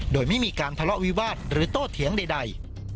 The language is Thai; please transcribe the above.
โดยไม่มีการทะเลาะวิวาสหรือโตเถียงใด